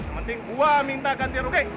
mending gue minta gantian oke